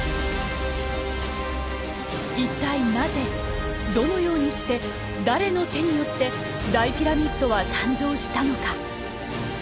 一体なぜどのようにして誰の手によって大ピラミッドは誕生したのか？